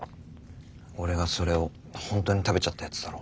俺がそれを本当に食べちゃったやつだろ。